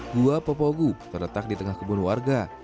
gua popogu terletak di tengah kebun warga